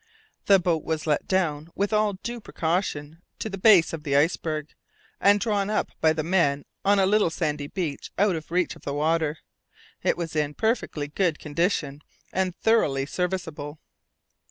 The boat was let down with all due precaution to the base of the iceberg, and drawn up by the men on a little sandy beach out of reach of the water. It was in perfectly good condition, and thoroughly serviceable.